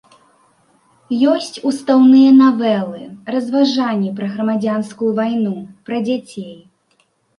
Ёсць устаўныя навелы, разважанні пра грамадзянскую вайну, пра дзяцей.